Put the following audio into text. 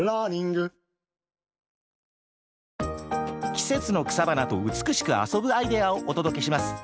季節の草花と美しく遊ぶアイデアをお届けします。